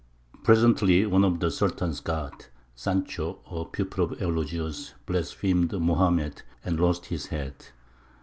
Presently one of the Sultan's guards, Sancho, a pupil of Eulogius, blasphemed Mohammed, and lost his head.